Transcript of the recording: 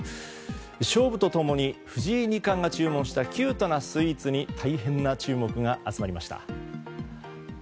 勝負と共に藤井二冠が注目したキュートなスイーツに大変な注目が集まりました。